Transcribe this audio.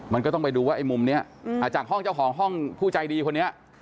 มันก็ต้องไปดูว่าไอ้มุมนี้จากห้องเจ้าของห้องผู้ใจดีคนนี้